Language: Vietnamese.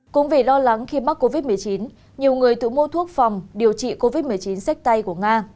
cũng vì lo lắng khi mắc covid một mươi chín nhiều người tự mua thuốc phòng điều trị covid một mươi chín sách tay của nga